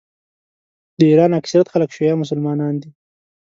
د ایران اکثریت خلک شیعه مسلمانان دي.